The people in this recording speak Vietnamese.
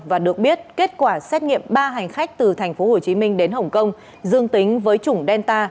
và được biết kết quả xét nghiệm ba hành khách từ tp hcm đến hồng kông dương tính với chủng delta